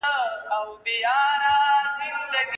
د جګو غرونو، شنو لمنو، غرڅنۍ سندري